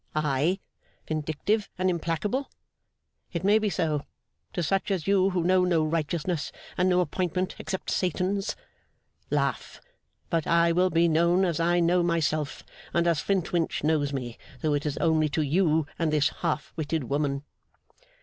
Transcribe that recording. I, vindictive and implacable? It may be so, to such as you who know no righteousness, and no appointment except Satan's. Laugh; but I will be known as I know myself, and as Flintwinch knows me, though it is only to you and this half witted woman.